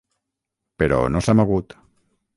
Però no s'ha mogut.